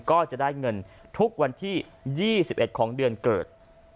ก็จะได้เงินทุกวันที่๒๑ของเดือนเกิด